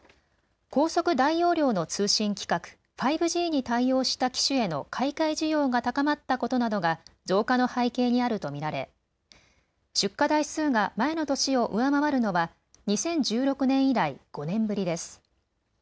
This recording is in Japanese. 高速・大容量の通信規格、５Ｇに対応した機種への買い替え需要が高まったことなどが増加の背景にあると見られ出荷台数が前の年を上回るのは２０１６年以来、５年ぶりです。